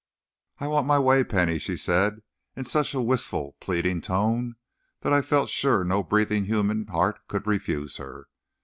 "I want my way, Penny," she said, in such a wistful, pleading tone, that I felt sure no breathing human heart could refuse her.